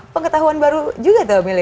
pengketahuan baru juga tahu mily